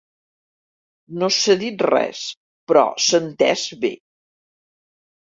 No s'ha dit res, però s'ha entès bé.